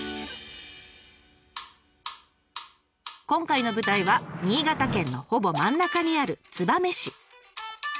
今回の舞台は新潟県のほぼ真ん中にある燕市。